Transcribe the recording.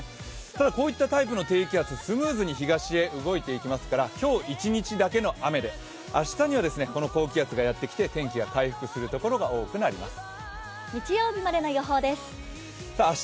ただこういったタイプの低気圧スムーズに東へ動いていきますから今日一日だけの雨で、明日にはこの高気圧がやってきて天気が回復する所が多くなります。